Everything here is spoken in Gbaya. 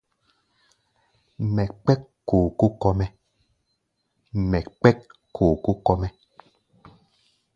Mɛ kpɛ́k kookóo kɔ́-mɛ́.